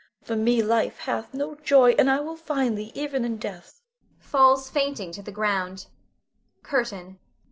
For me life hath no joy, and I will find thee even in death [falls fainting to the ground]. CURTAIN.